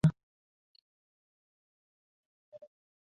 কিন্তু আমি আর তোমাদের সেই সাতাশ নম্বর মাখন বড়ালের গলিতে ফিরব না।